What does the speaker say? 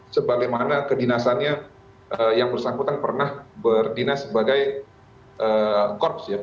sebagaimana kedinasannya yang bersangkutan pernah berdinas sebagai korps ya